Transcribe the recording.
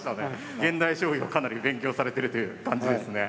現代将棋をかなり勉強されてるという感じですね。